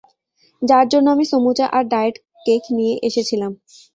যার জন্য আমি সমুচা আর ডায়েট কেক নিয়ে এসেছিলাম।